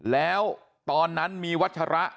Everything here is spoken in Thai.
แล้วตอนนั้นมีวัชระ